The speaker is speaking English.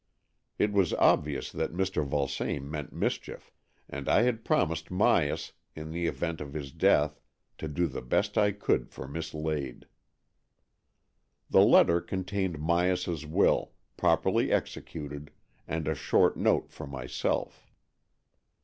It was obvious that Mr. Vulsame meant mischief, and I had promised Myas, in the event of his death, to do the best I could for Miss Lade. The letter contained Myas's will, properly executed, and a short note for myself.